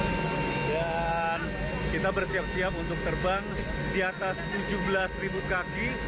dan kita bersiap siap untuk terbang di atas tujuh belas ribu kaki